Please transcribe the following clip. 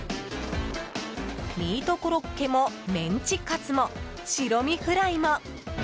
ミートコロッケもメンチカツも白身フライも！